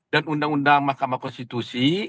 dan undang undang mahkamah konstitusi